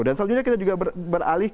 dan selanjutnya kita juga beralih